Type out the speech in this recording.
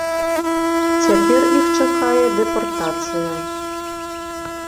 Цяпер іх чакае дэпартацыя.